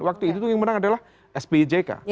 waktu itu yang menang adalah spijk